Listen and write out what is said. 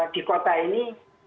di kota ini